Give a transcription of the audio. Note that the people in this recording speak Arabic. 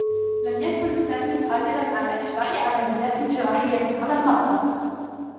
لم يكن سامي قادرا على إجراء عمليّات جراحيّة على المرضى.